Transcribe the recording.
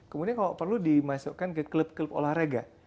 kemudian kalau perlu dimasukkan ke klub klub olahraga